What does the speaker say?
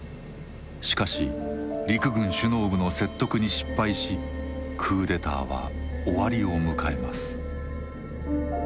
しかし陸軍首脳部の説得に失敗しクーデターは終わりを迎えます。